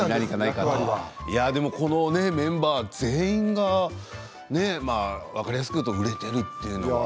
このメンバー全員が分かりやすくいうと売れている。